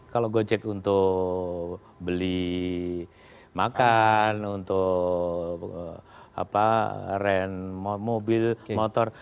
kalau gojek untuk beli makan untuk ren mobil motor